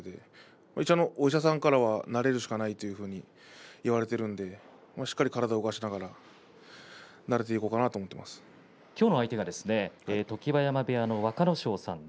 一応、お医者さんからは慣れるしかないというふうに言われているのでしっかり体を動かしながら今日の相手は常盤山部屋の若ノ勝さん。